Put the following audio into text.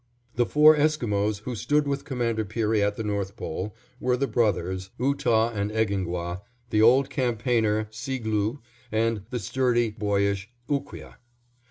The four Esquimos who stood with Commander Peary at the North Pole, were the brothers, Ootah and Egingwah, the old campaigner, Seegloo, and the sturdy, boyish Ooqueah.